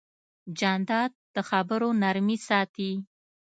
جانداد د خبرو نرمي ساتي.